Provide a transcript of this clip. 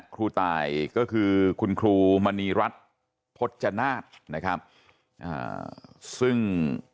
ครูตายก็คือคุณครูมณีรัฐพจนาฏนะครับซึ่ง